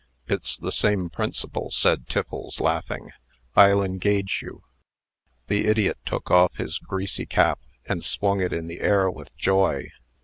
"It's the same principle," said Tiffles, laughing. "I'll engage you." The idiot took off his greasy cap, and swung it in the air with joy.